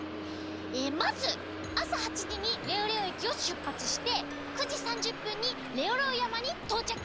えまずあさ８じにレオレオ駅をしゅっぱつして９じ３０ぷんにレオレオやまにとうちゃく。